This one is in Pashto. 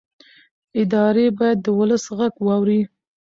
ادارې باید د ولس غږ واوري